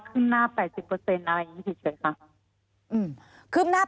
ขึ้นหน้า๘๐อะไรอย่างนี้เฉยค่ะ